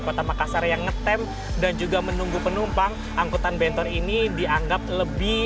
kota makassar yang ngetem dan juga menunggu penumpang angkutan bentor ini dianggap lebih